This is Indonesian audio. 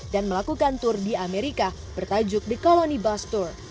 dan melakukan tour di amerika bertajuk the colony bus tour